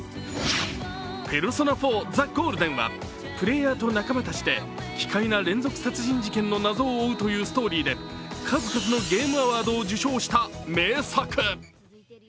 「ペルソナ４ザ・ゴールデン」はプレーヤーと仲間たちで奇怪な連続殺人事件の謎を追うというストーリーで、数々のゲームアワードを受賞した名作。